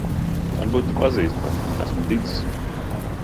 Varbūt tu pazīsti mani. Esmu Didzis.